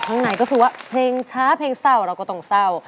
ข้างในก็คือว่าเพลงช้าเพลงเศร้าเราก็ต้องเศร้า